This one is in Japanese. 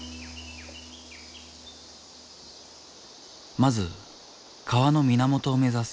まず川の源を目指す。